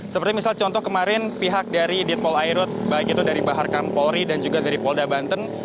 seperti misal contoh kemarin pihak dari ditpol airut baik itu dari bahar kampolri dan juga dari polda banten